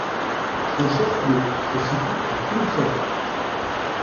Son chef-lieu se situe à Kungsör.